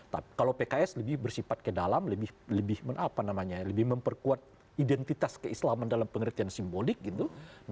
tapi kalau pks lebih bersifat ke dalam lebih memperkuat identitas keislaman dalam pengertian simbolik gitu